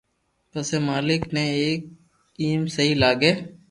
پسي مالڪ ني ايم سھي لاگي